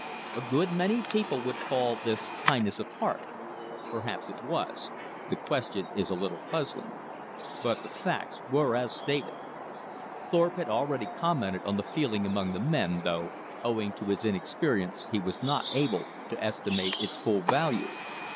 A good many people would call this kindness of heart. Perhaps it was; the question is a little puzzling. But the facts were as stated. Thorpe had already commented on the feeling among the men, though, owing to his inexperience, he was not able to estimate its full value.